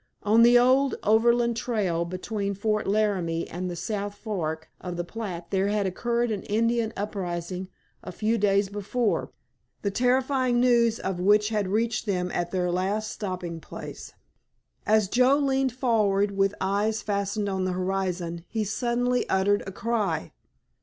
On the old Overland Trail between Fort Laramie and the South Fork of the Platte there had occurred an Indian uprising a few days before, the terrifying news of which had reached them at their last stopping place. As Joe leaned forward with eyes fastened on the horizon he suddenly uttered a cry.